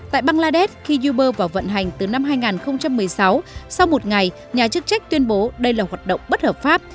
tại bangladesh khi uber vào vận hành từ năm hai nghìn một mươi sáu sau một ngày nhà chức trách tuyên bố đây là hoạt động bất hợp pháp